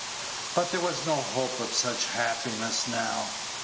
But there was no hope of such happiness now.